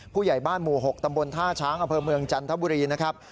ผู้ใหญ่บ้านหมู่๖ตำบลท่าช้างอำเภอเมืองจันทบุรีนะครับ